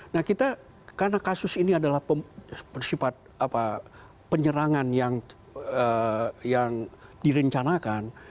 nah kita karena kasus ini adalah persifat penyerangan yang direncanakan